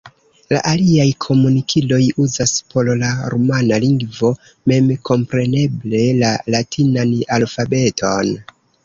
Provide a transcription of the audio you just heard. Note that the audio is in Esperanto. La aliaj komunikiloj uzas por la rumana lingvo memkompreneble la latinan alfabeton.